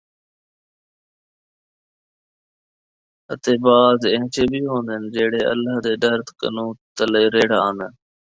اَتے بعضے اِہجے وِی ہوندن، جِہڑے اللہ دے ݙر کنوں تلے رِڑھ آندن، اَ